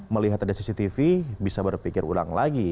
melihat ada cctv bisa berpikir ulang lagi